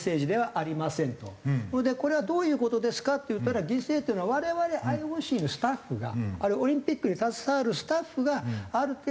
これはどういう事ですかっていったら犠牲っていうのは我々ＩＯＣのスタッフがあるいはオリンピックに携わるスタッフがある程度犠牲を払う。